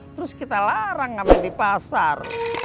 terus kita larang ngamen di pasar